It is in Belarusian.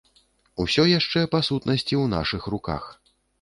Усё яшчэ па сутнасці ў нашых руках.